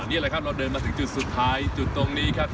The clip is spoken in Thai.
นี่แหละครับเราเดินมาถึงจุดสุดท้ายจุดตรงนี้ครับ